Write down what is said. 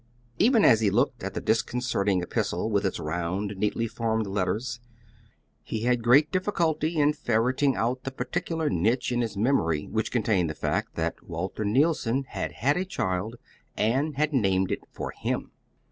Even as he looked at the disconcerting epistle with its round, neatly formed letters, he had great difficulty in ferreting out the particular niche in his memory which contained the fact that Walter Neilson had had a child, and had named it for him.